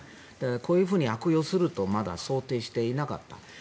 こういうふうに悪用するとまだ想定していなかった。